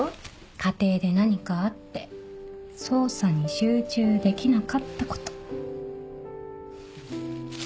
家庭で何かあって捜査に集中できなかったこと。